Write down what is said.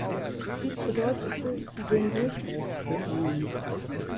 Dies bedeutete den Durchbruch für ihn.